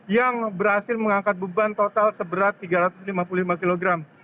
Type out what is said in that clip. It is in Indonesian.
yang berhasil mengangkat beban total seberat tiga ratus lima puluh lima kilogram